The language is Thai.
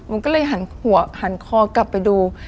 มันก็เลยหันหัวหันคอกลับไปดู